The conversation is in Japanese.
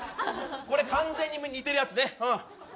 これ、完全に似てるやつね。